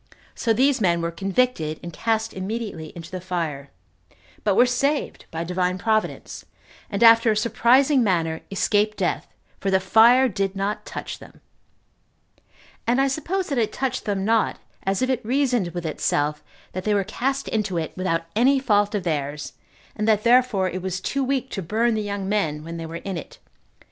So these men were convicted, and cast immediately into the fire, but were saved by Divine Providence, and after a surprising manner escaped death, for the fire did not touch them; and I suppose that it touched them not, as if it reasoned with itself, that they were cast into it without any fault of theirs, and that therefore it was too weak to burn the young men when they were in it.